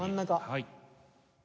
はい。